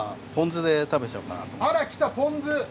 あらきたポン酢！